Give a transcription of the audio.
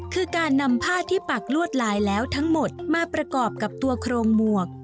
คือการนำผ้าที่ปักลวดลายแล้วทั้งหมดมาประกอบกับตัวโครงหมวก